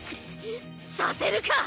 させるか！